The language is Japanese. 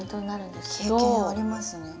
経験ありますね